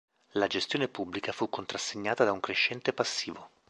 La gestione pubblica fu contrassegnata da un crescente passivo.